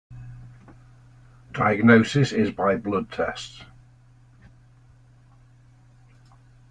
Diagnosis is by blood tests.